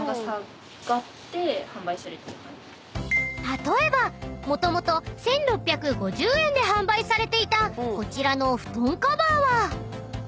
［例えばもともと１，６５０円で販売されていたこちらの布団カバーは］